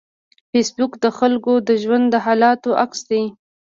فېسبوک د خلکو د ژوند د حالاتو عکس دی